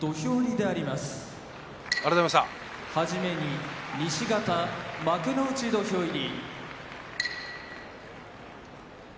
はじめに西方幕内土俵入り。